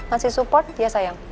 masih support ya sayang